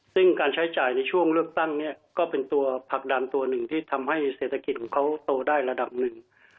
ซึ่งการใช้จ่ายในช่วงเลือกตั้งเนี่ยก็เป็นตัวผลักดันตัวหนึ่งที่ทำให้เศรษฐกิจของเขาโตได้ระดับหนึ่ง